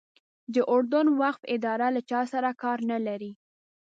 د اردن وقف اداره له چا سره کار نه لري.